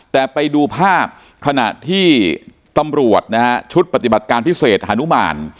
แต่ไปดูภาพขณะที่ตำรวจนะฮะชุดปฏิบัติการพิเศษฮานุมาน